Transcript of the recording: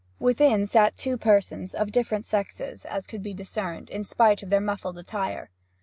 Within sat two persons, of different sexes, as could soon be discerned, in spite of their muffled attire.